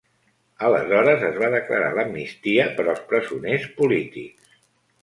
Aleshores es va declarar l'amnistia per als presoners polítics.